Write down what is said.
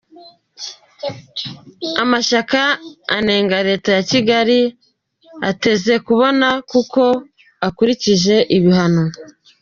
amashyaka anenga leta ya Kigali ateze kubona kuko ukurikije ibihano